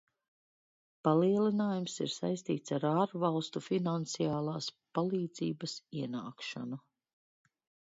Palielinājums ir saistīts ar ārvalstu finansiālās palīdzības ienākšanu.